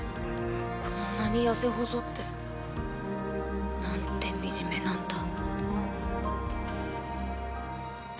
こんなに痩せ細ってなんてみじめなんだ。